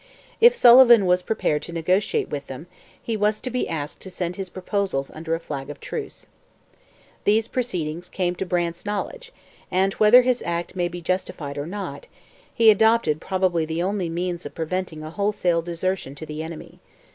If Sullivan was prepared to negotiate with them, he was to be asked to send his proposals under a flag of truce. These proceedings came to Brant's knowledge and, whether his act may be justified or not, he adopted probably the only means of preventing a wholesale desertion to the enemy.